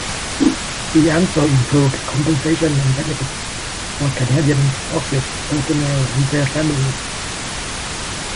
He also improved compensation and benefits for Canadian Forces personnel and their families.